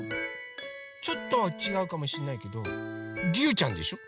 ちょっとはちがうかもしんないけどりゅうちゃんでしょ？